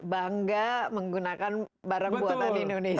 bangga menggunakan barang buatan indonesia